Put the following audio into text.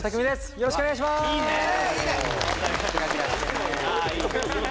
よろしくお願いしますいいね！